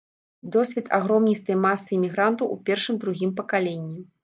Досвед агромністай масы імігрантаў у першым-другім пакаленні.